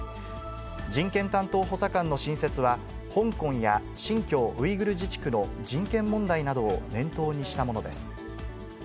人権担当補佐官の新設は、香港や新疆ウイグル自治区の人権問題などを念頭にしたものです。